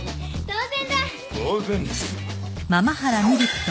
当然です。